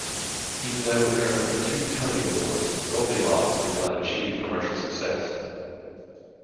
Even though it earned two Tony awards, "Goldilocks" did not achieve commercial success.